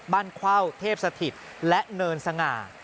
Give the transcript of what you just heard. บ้านคว้าวเทพสถิตและเนินสง่า